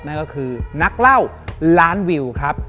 นั่นก็คือนักเล่าล้านวิวครับ